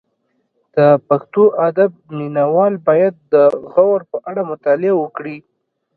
د پښتو ادب مینه وال باید د غور په اړه مطالعه وکړي